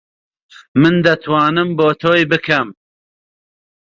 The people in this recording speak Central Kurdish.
من دەتوانم بۆ تۆی بکەم.